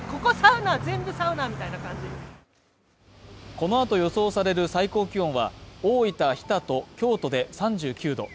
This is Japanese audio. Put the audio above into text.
このあと予想される最高気温は大分・日田と京都で３９度